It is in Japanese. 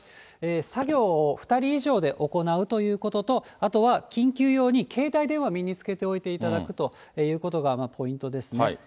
作業を２人以上で行うということと、あとは緊急用に携帯電話、身につけておいていただくということがポイントですね。